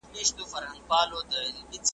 بېړۍ به خدای خبر چي د ساحل غېږ ته رسېږي .